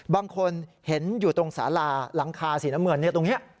บางคนเห็นอยู่ตรงสาราหลังคาสีน้ำเงินตรงนี้